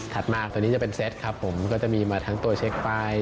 มาตัวนี้จะเป็นเซตครับผมก็จะมีมาทั้งตัวเช็คป้าย